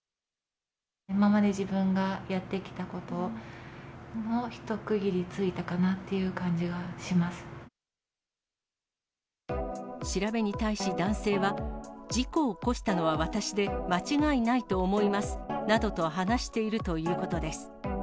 今まで自分がやってきたことの一区切りついたかなっていう感調べに対し男性は、事故を起こしたのは私で間違いないと思いますなどと話しているということです。